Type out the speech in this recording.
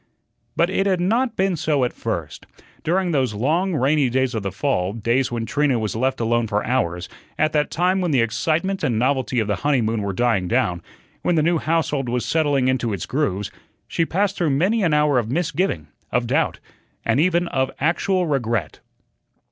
But it had not been so at first. During those long, rainy days of the fall, days when Trina was left alone for hours, at that time when the excitement and novelty of the honeymoon were dying down, when the new household was settling into its grooves, she passed through many an hour of misgiving, of doubt, and even of actual regret.